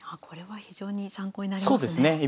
これは非常に参考になりますね。